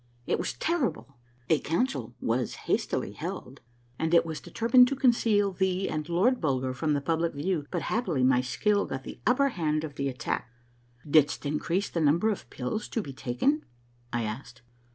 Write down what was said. It was terrible. A council Avas hastily held, and it was deter mined to conceal thee and Lord Bulger from the public view, but happily my skill got the upper hand of the attack." " Didst increase the number of pills to be taken ?" I asked.